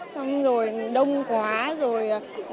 xong rồi đông quá rồi